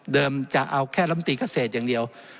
จะเอาแค่ลำตีเกษตรอย่างเดียว